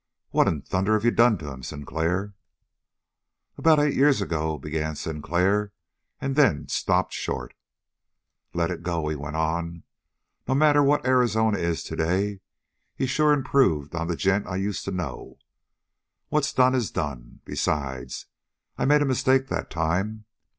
"What in thunder have you done to him, Sinclair?" "About eight years ago " began Sinclair and then stopped short. "Let it go," he went on. "No matter what Arizona is today, he's sure improved on the gent I used to know. What's done is done. Besides, I made a mistake that time.